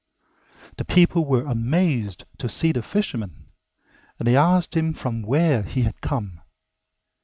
The people were amazed to see the fisherman, and they asked him from where he had come.